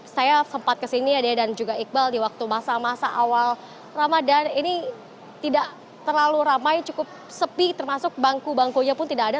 saya sempat kesini ya dan juga iqbal di waktu masa masa awal ramadan ini tidak terlalu ramai cukup sepi termasuk bangku bangkunya pun tidak ada